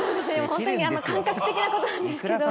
ホントに感覚的なことなんですけど。